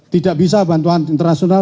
tidak bisa bantuan internasional